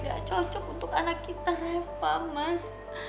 gak cocok untuk anak kita reva mas